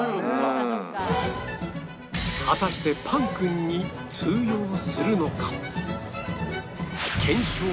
果たしてパンくんに通用するのか？